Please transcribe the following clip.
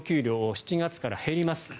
７月から減ります。